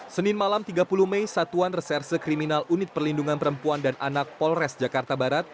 senin malam tiga puluh mei satuan reserse kriminal unit perlindungan perempuan dan anak polres jakarta barat